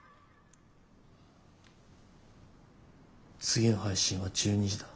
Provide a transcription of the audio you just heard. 次の配信は１２時だ。